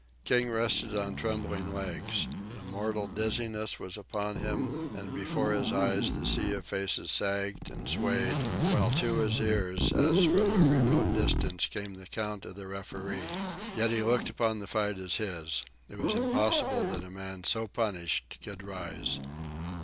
King rested on trembling legs. A mortal dizziness was upon him, and before his eyes the sea of faces sagged and swayed, while to his ears, as from a remote distance, came the count of the referee. Yet he looked upon the fight as his. It was impossible that a man so punished could rise.